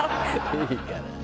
「いいから！